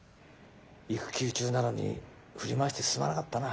育休中なのに振り回してすまなかったな。